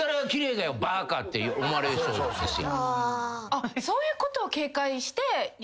あっそういうことを警戒して言いづらい？